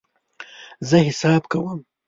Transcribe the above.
زه حساب کوم